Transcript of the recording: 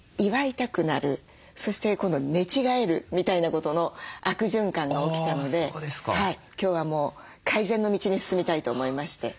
そして今度寝違えるみたいなことの悪循環が起きたので今日はもう改善の道に進みたいと思いまして。